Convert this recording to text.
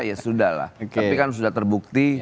ya sudah lah tapi kan sudah terbukti